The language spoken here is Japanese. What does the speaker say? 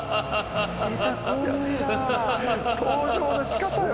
登場のしかたが。